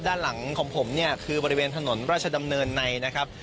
ด้านหลังของผมเนี่ยคือบริเวณถนนราชดำเนินในนะครับ